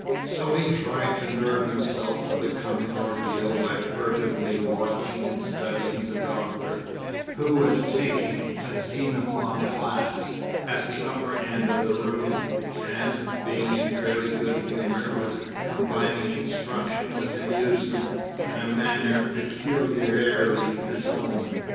So he tried to nerve himself for the coming ordeal by furtively watching and studying the Doctor, who was taking a Xenophon class at the upper end of the room, and, being in fairly good humour, was combining instruction with amusement in a manner peculiarly his own.